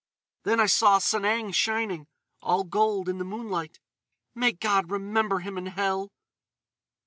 Then I saw Sanang shining, all gold, in the moonlight.... May God remember him in hell!"